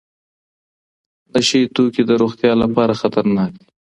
نشه یې توکي د روغتیا لپاره خطرناک دي.